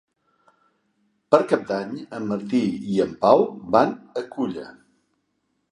Per Cap d'Any en Martí i en Pau van a Culla.